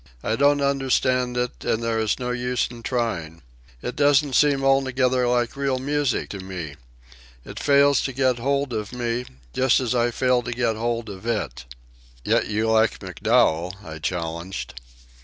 I don't understand it, and there is no use in trying. It doesn't seem altogether like real music to me. It fails to get hold of me, just as I fail to get hold of it." "Yet you like MacDowell," I challenged. "Y. .